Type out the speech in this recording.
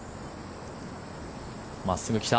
真っすぐ来た。